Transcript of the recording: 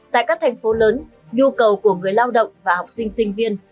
tại các thành phố lớn nhu cầu của người lao động và học sinh sinh viên